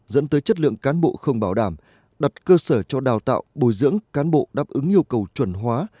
dẫn tới chất lượng cán bộ không bảo đảm đặt cơ sở cho đào tạo bồi dưỡng cán bộ đáp ứng yêu cầu chuẩn hóa